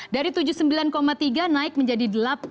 dari tujuh puluh sembilan tiga naik menjadi delapan